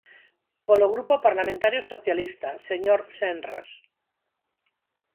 Polo Grupo Parlamentario Socialista, señor Senras.